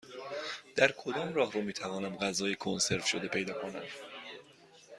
در کدام راهرو می توانم غذای کنسرو شده پیدا کنم؟